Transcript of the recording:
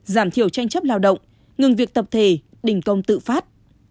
giảm thiểu tranh chấp lao động ngừng việc tập thể đình công tự phát